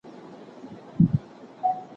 ایا ته غواړې چي خپله څېړنه نوره هم پراخه کړي؟